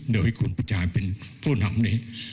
โดยคุณผู้ชายเป็นผู้นำนี้